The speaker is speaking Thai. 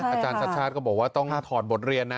อาจารย์ชาติชาติก็บอกว่าต้องถอดบทเรียนนะ